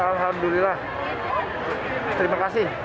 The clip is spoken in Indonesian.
alhamdulillah terima kasih